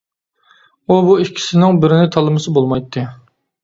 ئۇ بۇ ئىككىسىنىڭ بىرىنى تاللىمىسا بولمايتتى.